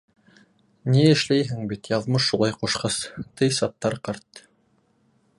Ни эшләйһең бит, яҙмыш шулай ҡушҡас, — ти Саттар ҡарт.